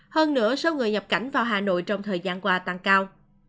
hơn nữa số người nhập cảnh vào hà nội trong thời gian qua tăng cao